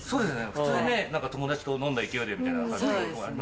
普通ね友達と飲んだ勢いでみたいな感じのとこ。